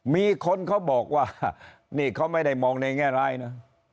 มีคนเขาบอกว่านี่เขาไม่ได้มองในแง่ร้ายนะ